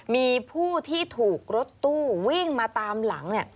มีผู้ที่ถูกรถตู้วิ่งมาตามหลัง